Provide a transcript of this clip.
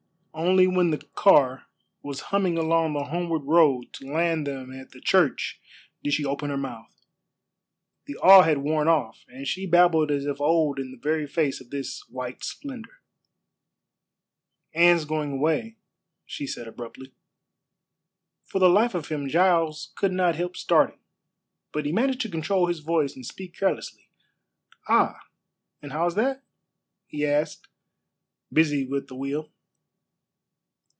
Only when the car was humming along the homeward road to land them at the church did she open her mouth. The awe had worn off, and she babbled as of old in the very face of this white splendor. "Anne's going away," she said abruptly. For the life of him Giles could not help starting, but he managed to control his voice and speak carelessly. "Ah, and how is that?" he asked, busy with the wheel.